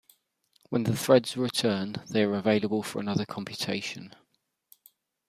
When the threads are returned, they are available for another computation.